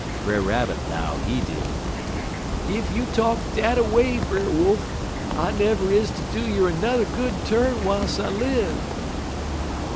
"Brer Rabbit 'low, he did: "'Ef you talk dat a way, Brer Wolf, I never is to do yer 'n'er good turn w'iles I live.'